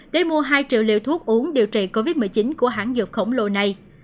để mua hai triệu liều thuốc uống điều trị covid một mươi chín của hãng dược khổng lồ này